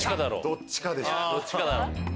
どっちかでしょ。